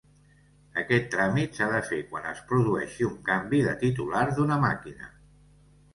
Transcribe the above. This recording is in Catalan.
Aquest tràmit s'ha de fer quan es produeixi un canvi de titular d'una màquina.